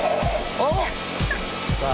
あっ！